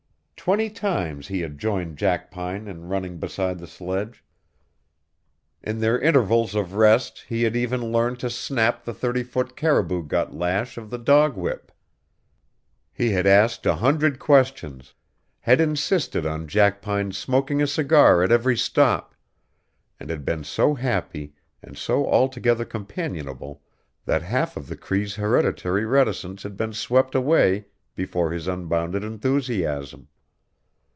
Twenty times he had joined Jackpine in running beside the sledge. In their intervals of rest he had even learned to snap the thirty foot caribou gut lash of the dog whip. He had asked a hundred questions, had insisted on Jackpine's smoking a cigar at every stop, and had been so happy and so altogether companionable that half of the Cree's hereditary reticence had been swept away before his unbounded enthusiasm.